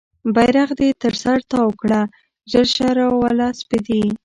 بیرغ دې تر سر تاو کړه ژر شه راوله سپیدې